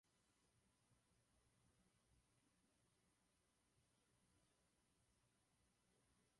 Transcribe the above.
Sociologové to považují za vyústění vývoje demokratizace společnosti.